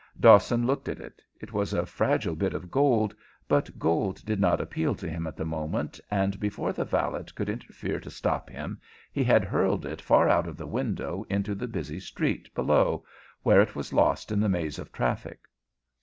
Dawson looked at it. It was a fragile bit of gold, but gold did not appeal to him at the moment, and before the valet could interfere to stop him he had hurled it far out of the window into the busy street below, where it was lost in the maze of traffic.